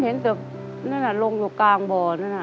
เห็นเสือบนั่นน่ะลงอยู่กลางบ่นั่นน่ะ